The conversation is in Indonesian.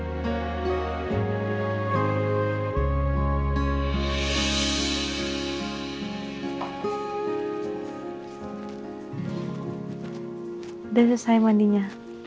udah selesai mandinya